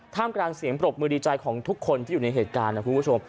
กำลังเสียงปรบมือดีใจของทุกคนที่อยู่ในเหตุการณ์นะคุณผู้ชม